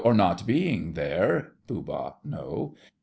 Or not being there—— POOH. No!